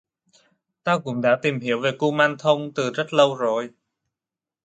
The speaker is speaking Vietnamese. Tao cũng đã tìm hiểu về ku man thong từ rất lâu rồi